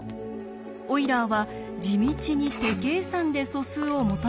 オイラーは地道に手計算で素数を求めていきました。